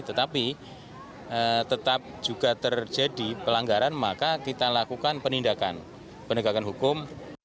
tetapi tetap juga terjadi pelanggaran maka kita lakukan penindakan penegakan hukum